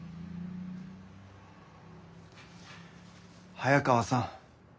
早川さん。